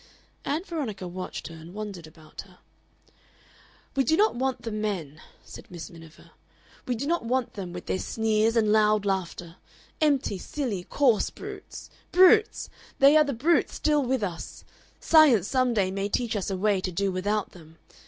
Ann Veronica watched her and wondered about her. "We do not want the men," said Miss Miniver; "we do not want them, with their sneers and loud laughter. Empty, silly, coarse brutes. Brutes! They are the brute still with us! Science some day may teach us a way to do without them.